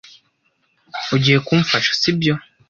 Ugiye kumfasha, sibyo?